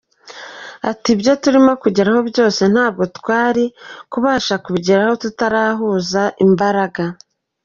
Ati “ Ibyo turimo kugeraho byose, ntabwo twari kubasha kubigeraho tutarahuza imbaraga.